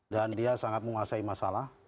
dan dia sangat menguasai masalah